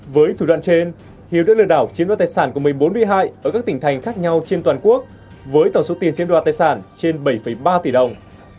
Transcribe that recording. với thủ đoạn trên hiếu đã lừa đảo chiếm đoạt tài sản của một mươi bốn bị hại ở các tỉnh thành khác nhau trên toàn quốc với tổng số tiền chiếm đoạt tài sản trên bảy ba tỷ đồng